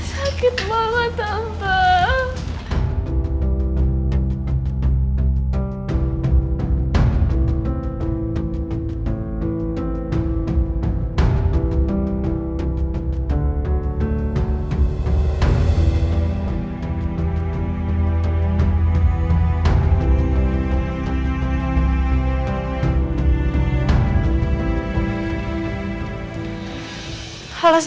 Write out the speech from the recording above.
sakit banget tante